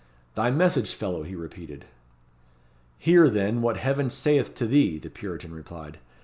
"Thy message, fellow!" he repeated. "Hear, then, what Heaven saith to thee," the Puritan replied.